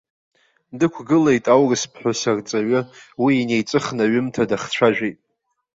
Дықәгылеит аурыс ԥҳәыс арҵаҩы уи инеиҵыхны аҩымҭа дахцәажәеит.